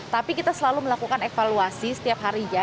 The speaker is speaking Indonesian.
tapi kita selalu melakukan evaluasi setiap hari ya